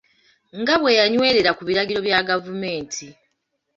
Nga bwe banywerera ku biragiro bya gavumenti.